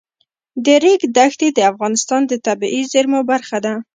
د ریګ دښتې د افغانستان د طبیعي زیرمو برخه ده.